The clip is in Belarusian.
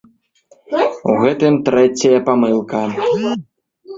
У гэтым трэцяя памылка.